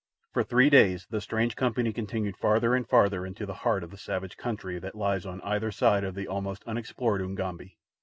For three days the strange company continued farther and farther into the heart of the savage country that lies on either side of the almost unexplored Ugambi.